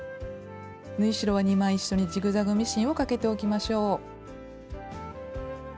縫い代は２枚一緒にジグザグミシンをかけておきましょう。